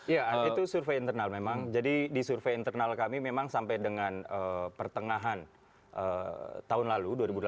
ya itu survei internal memang jadi di survei internal kami memang sampai dengan pertengahan tahun lalu dua ribu delapan belas